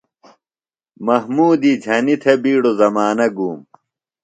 محمودی جھنیۡ تھےۡ بِیڈوۡ زمانہ گُوم۔